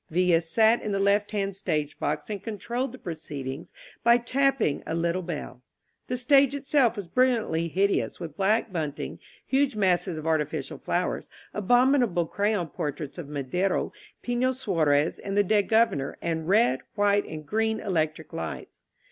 Villa sat in the left hand stage box and controlled the pro ceedings by tapping a little bell. The stage itself was brilliantly hideous with black bunting, huge masses of artificial flowers, abominable crayon portraits of Madero, Pifio Suarez and the dead Governor, and red, white and grmi electric lights.